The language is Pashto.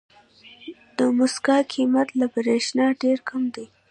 د موسکا قیمت له برېښنا ډېر کم دی.